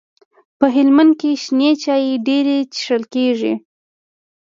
په هلمند کي شنې چاي ډيري چیښل کیږي.